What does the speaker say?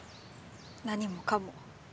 何もかも。